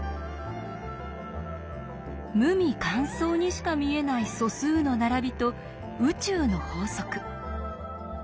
無味乾燥にしか見えない素数の並びと宇宙の法則。